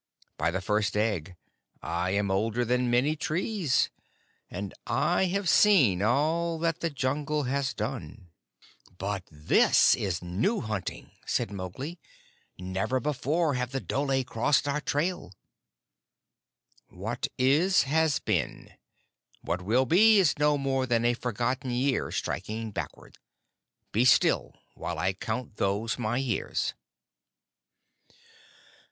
By the First Egg I am older than many trees, and I have seen all that the Jungle has done." "But this is new hunting," said Mowgli. "Never before have the dhole crossed our trail." "What is has been. What will be is no more than a forgotten year striking backward. Be still while I count those my years."